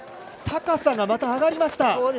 高さが上がりました。